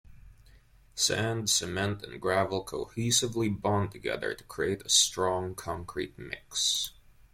Sand, Cement and Gravel cohesively bond together to create a strong concrete mix.